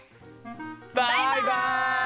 バイバイ！